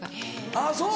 あっそう！